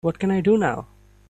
what can I do now?